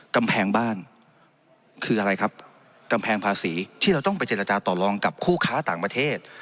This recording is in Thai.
กำแพงบ้านคืออะไรครับกำแพงภาษีที่เราต้องไปเจรจาต่อลองกับคู่ค้าต่างประเทศ